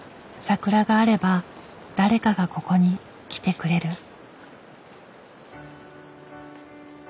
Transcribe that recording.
桜があれば誰かがここに来てくれる。